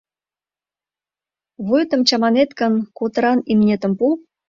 — Вуетым чаманет гын, котыран имнетым пу.